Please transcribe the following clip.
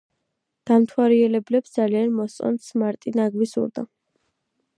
დამთვალიერებლებს ძალიან მოსწონთ „სმარტი“ ნაგვის ურნა.